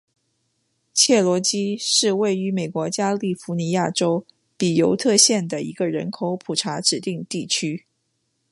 切罗基是位于美国加利福尼亚州比尤特县的一个人口普查指定地区。